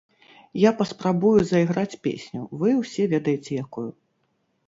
Я паспрабую зайграць песню, вы ўсе ведаеце якую.